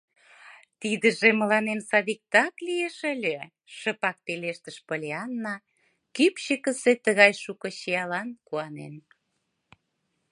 — Тидыже мыланем садиктак лиеш ыле, — шыпак пелештыш Поллианна, кӱпчыкысӧ тыгай шуко чиялан куанен.